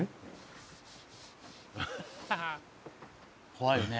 怖いよね。